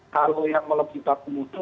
kalau yang melebih takut itu